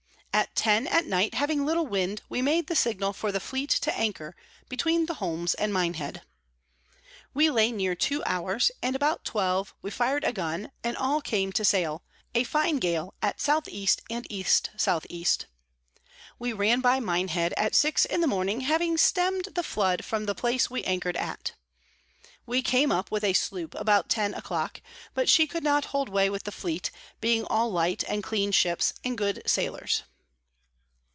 At ten at night having little Wind, we made the Signal for the Fleet to anchor, between the Holms and Minehead. We lay near two hours, and about twelve we fir'd a Gun, and all came to sail, a fine Gale at S E and E S E. We ran by Minehead at six in the morning, having stem'd the Flood from the place we anchor'd at. We came up with a Sloop about ten a clock; but she could not hold way with the Fleet, being all light and clean Ships, and good Sailors.